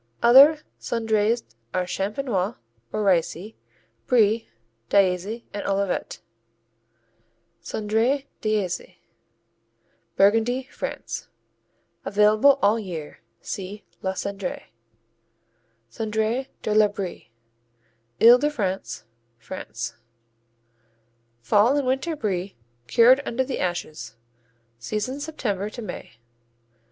Other Cendrées are Champenois or Ricey, Brie, d'Aizy and Olivet Cendré d'Aizy Burgundy, France Available all year. See la Cendrée. Cendré de la Brie Ile de France, France Fall and winter Brie cured under the ashes, season September to May.